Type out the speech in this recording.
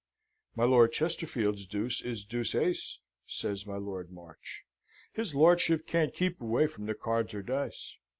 "My Lord Chesterfield's deuce is deuce ace," says my Lord March. "His lordship can't keep away from the cards or dice."